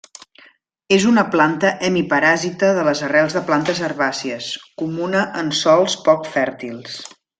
És una planta hemiparàsita de les arrels de plantes herbàcies comuna en sòls poc fèrtils.